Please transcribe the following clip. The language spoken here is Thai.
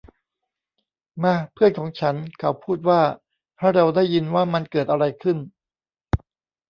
มา เพื่อนของฉัน เขาพูดว่า ให้เราได้ยินว่ามันเกิดอะไรขึ้น !